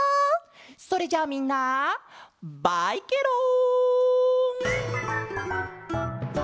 それじゃあみんなバイケロん！